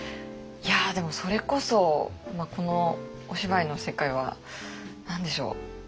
いやでもそれこそこのお芝居の世界は何でしょう。